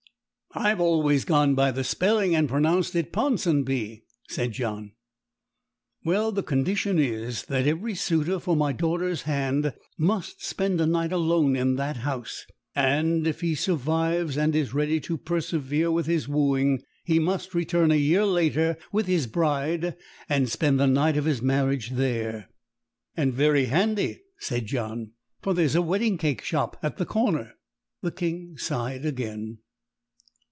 "I've always gone by the spelling, and pronounced it Ponsonby," said John. "Well, the condition is that every suitor for my daughter's hand must spend a night alone in that house; and if he survives and is ready to persevere with his wooing, he must return a year later with his bride and spend the night of his marriage there." "And very handy," said John, "for there's a wedding cake shop at the corner." The King sighed again.